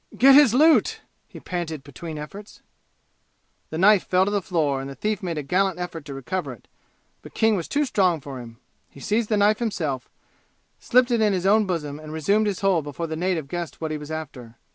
"Get his loot!" he panted between efforts. The knife fell to the floor, and the thief made a gallant effort to recover it, but King was too strong for him. He seized the knife himself, slipped it in his own bosom and resumed his hold before the native guessed what he was after.